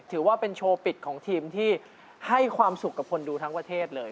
ถือว่าเป็นโชว์ปิดของทีมที่ให้ความสุขกับคนดูทั้งประเทศเลย